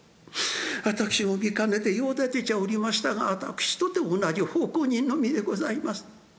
私も見かねて用立てちゃおりましたが私とて同じ奉公人の身でございます。